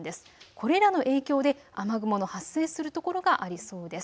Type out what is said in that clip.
これらの影響で雨雲の発生するところがありそうです。